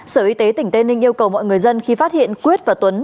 sở y tế tỉnh tây ninh yêu cầu mọi người dân khi phát hiện quyết và tuấn